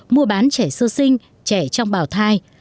mua bán trẻ sơ sinh trẻ trong bào thai